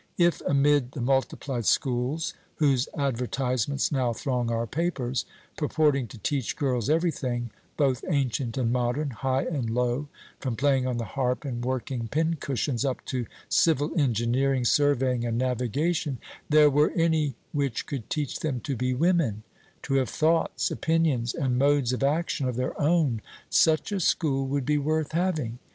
If, amid the multiplied schools, whose advertisements now throng our papers, purporting to teach girls every thing, both ancient and modern, high and low, from playing on the harp and working pincushions, up to civil engineering, surveying, and navigation, there were any which could teach them to be women to have thoughts, opinions, and modes of action of their own such a school would be worth having.